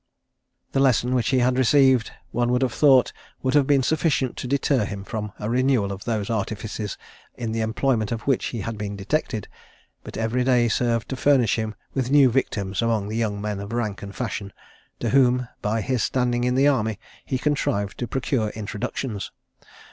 The lesson which he had received, one would have thought would have been sufficient to deter him from a renewal of those artifices in the employment of which he had been detected; but every day served to furnish him with new victims among the young men of rank and fashion, to whom, by his standing in the army, he contrived to procure introductions.